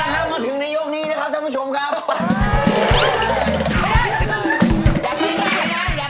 เอาล่ะมาถึงในโยคนี้นะครับจันกลุ่มชมครับ